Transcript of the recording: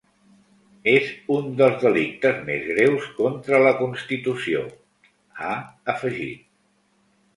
És un dels delictes més greus contra la constitució, ha afegit.